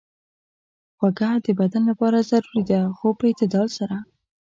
خوږه د بدن لپاره ضروري ده، خو په اعتدال سره.